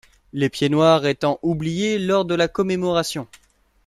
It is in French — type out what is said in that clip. Les pieds noirs étant oubliés lors de la commemoration.